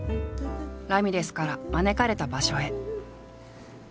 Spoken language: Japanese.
ラミレスから招かれた場所へ。